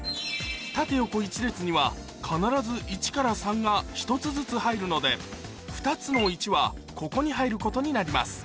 縦横１列には必ず１から３が１つずつ入るので２つの１はここに入ることになります